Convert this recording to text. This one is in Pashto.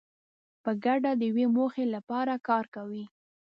په ګډه د یوې موخې لپاره کار کوي.